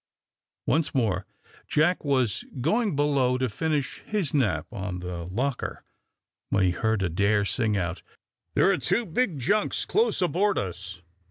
Once more Jack was going below to finish his nap on the locker, when he heard Adair sing out, "There are two big junks close aboard us."